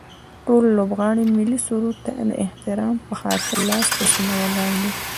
ټول لوبغاړي ملي سرود ته د احترام به خاطر لاس په سینه ولاړ دي